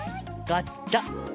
ガチャ。